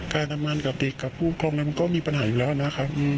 การทำงานกับเด็กกับผู้ครองนั้นก็มีปัญหาอยู่แล้วนะครับ